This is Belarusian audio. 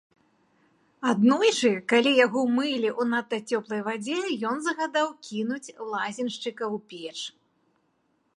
Аднойчы, калі яго мылі ў надта цёплай вадзе, ён загадаў кінуць лазеншчыка ў печ.